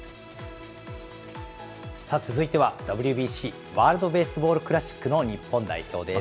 続いてはＷＢＣ・ワールドベースボールクラシックの日本代表です。